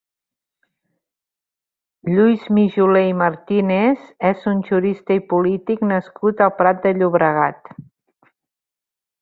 Lluís Mijoler i Martínez és un jurista i polític nascut al Prat de Llobregat.